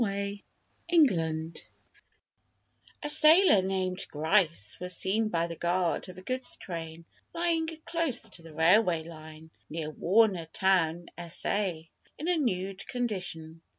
A STUDY IN THE "NOOD" 'A sailor named Grice was seen by the guard of a goods train lying close to the railway line near Warner Town (S.A.) in a nude condition.